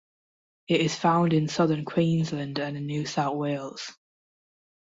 It is found in southern Queensland and in New South Wales.